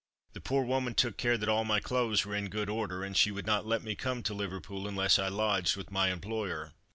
The poor woman took care that all my clothes were in good order, and she would not let me come to Liverpool unless I lodged with my employer.